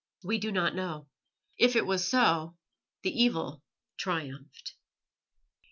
We do not know. If it was so, the evil triumphed.